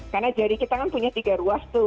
karena jari kita kan punya tiga ruas tuh